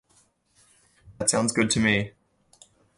That sounds good to me.